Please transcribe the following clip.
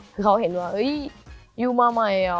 คือเขาเห็นว่าเฮ้ยอยู่มาใหม่เหรอ